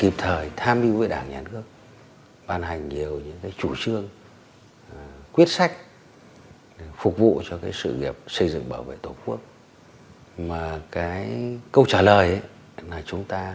phát huy vai trò thường trực